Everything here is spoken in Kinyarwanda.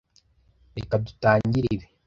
Reka dutangire ibi.